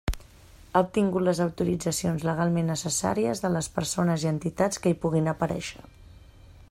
Ha obtingut les autoritzacions legalment necessàries de les persones i entitats que hi puguin aparèixer.